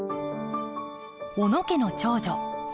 小野家の長女純子。